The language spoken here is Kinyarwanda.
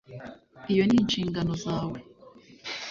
iyo ni inshingano zawe